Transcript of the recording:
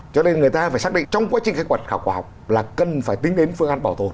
cho nên người ta phải xác định trong quá trình khai quật khảo cổ học là cần phải tính đến phương án bảo tồn